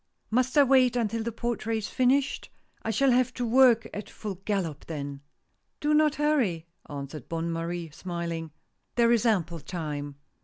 " Must I wait until the portrait is finished ? I shall have to work at full gallop then !" "Do not hurry," answered Bonne Marie, smiling. " There is ample time."